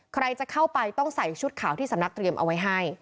ใครจะเข้าไปต้องใส่ชุดขาวที่สำนักเตรียมเอาไว้ให้